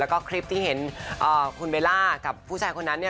แล้วก็คลิปที่เห็นคุณเบลล่ากับผู้ชายคนนั้น